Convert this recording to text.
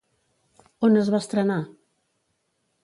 On es va estrenar?